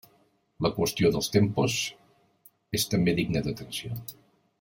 La qüestió dels tempos és també digna d'atenció.